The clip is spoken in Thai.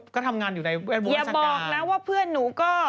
ก็ทำงานอยู่ในแวดวงอย่าบอกนะว่าเพื่อนหนูก็